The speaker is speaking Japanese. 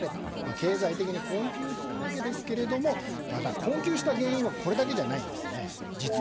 経済的に困窮するわけですがただ、困窮した原因はこれだけじゃないんですね。